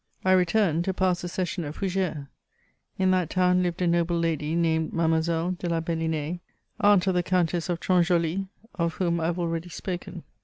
I returned to pass a session at Fougeres. In that town lived a noble lady, named Mademoiselle de La Belinaye, aunt of the Countess of Tronjoli, of whom I have already spoken.